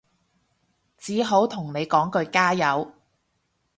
只好同你講句加油